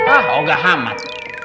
oh gak hamat